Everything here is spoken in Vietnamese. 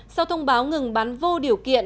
sau thông báo ngừng bắn vô điều kiện